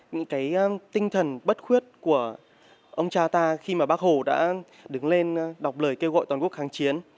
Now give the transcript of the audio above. những cái tinh thần bất khuất của ông cha ta khi mà bác hồ đã đứng lên đọc lời kêu gọi toàn quốc kháng chiến